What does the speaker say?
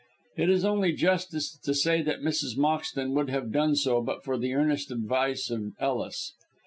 It is only justice to say that Mrs. Moxton would have done so but for the earnest advice of Ellis.